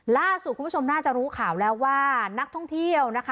ล่าสุดคุณผู้ชมน่าจะรู้ข่าวแล้วว่านักท่องเที่ยวนะคะ